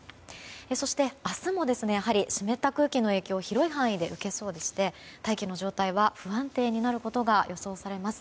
そして、明日もやはり湿った空気の影響を広い範囲で受けそうでして大気の状態は不安定になることが予想されます。